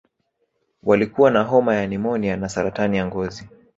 Walikuwa na homa ya pneumonia na saratani ya ngozi